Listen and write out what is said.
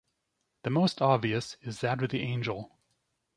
The most obvious is that of the angel.